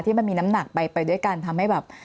มันมีน้ำหนักไปด้วยกันทำให้แบบ